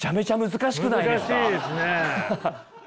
難しいですね。